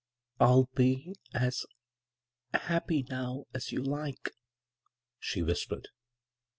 " I'll be as — happy now as you like," she whispered.